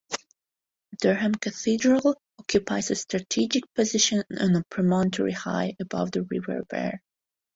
Durham Cathedral occupies a strategic position on a promontory high above the River Wear.